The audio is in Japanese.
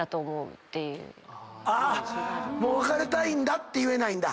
もう別れたいって言えないんだ。